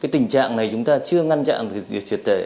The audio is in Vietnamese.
tình trạng này chúng ta chưa ngăn chặn việc triệt tệ